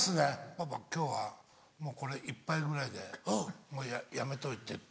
「パパ今日はもうこれ１杯ぐらいでやめといて」って。